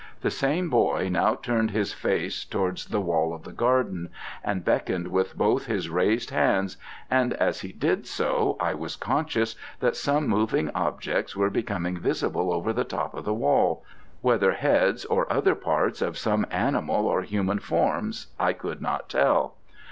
The same boy now turned his face towards the wall of the garden, and beckoned with both his raised hands, and as he did so I was conscious that some moving objects were becoming visible over the top of the wall whether heads or other parts of some animal or human forms I could not tell.